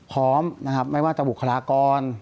พร้อมนะครับไม่ว่าจะบุคลากร